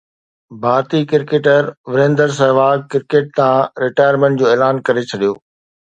ڀارتي cricketer Virender Sehwag cricket تان retirement جو اعلان ڪري ڇڏيو